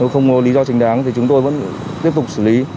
không có lý do chính đáng thì chúng tôi vẫn tiếp tục xử lý